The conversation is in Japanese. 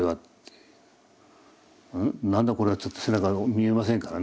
「何だこれは」って背中見えませんからね。